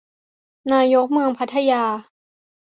นายกเมืองพัทยา